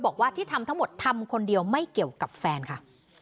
บอกว่าที่ทำทั้งหมดทำคนเดียวไม่เกี่ยวกับแฟนค่ะ